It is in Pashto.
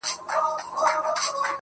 وځان ته بله زنده گي پيدا كړه.